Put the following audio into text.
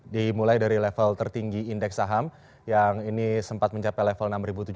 dimulai dari level tertinggi indeks saham yang ini sempat mencapai level enam tujuh ratus